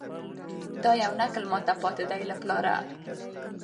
دا یو نکل ماته پاته دی له پلاره